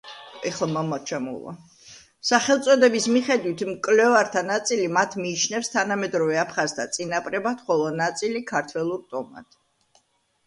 სახელწოდების მიხედვით მკვლევართა ნაწილი მათ მიიჩნევს თანამედროვე აფხაზთა წინაპრებად, ხოლო ნაწილი ქართველურ ტომად.